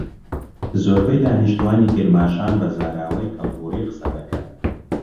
زۆربەی دانیشتووانی کرماشان بە زاراوەی کەڵهوڕی قسەدەکەن.